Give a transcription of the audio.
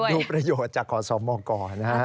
ดูประโยชน์จากขอสอมออกกอร์นะครับ